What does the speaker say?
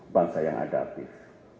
bangsa yang adaptif